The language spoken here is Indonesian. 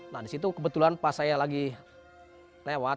nah disitu kebetulan pas saya lagi lewat